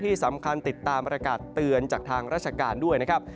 ที่สำคัญติดตามประกาศเตือนจากทางราชการด้วยนะครับ